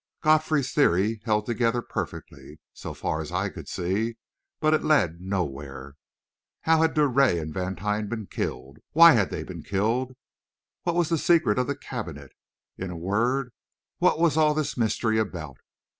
Godfrey's theory held together perfectly, so far as I could see, but it led nowhere. How had Drouet and Vantine been killed? Why had they been killed? What was the secret of the cabinet? In a word, what was all this mystery about?